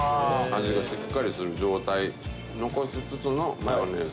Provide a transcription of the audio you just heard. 味がしっかりする状態残しつつのマヨネーズ。